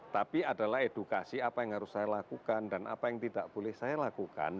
tapi adalah edukasi apa yang harus saya lakukan dan apa yang tidak boleh saya lakukan